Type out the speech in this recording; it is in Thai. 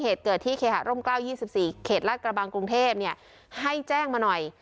เหตุเกิดที่เขหาร่มเกล้ายี่สิบสี่เขตรัฐกระบังกรุงเทพเนี่ยให้แจ้งมาหน่อย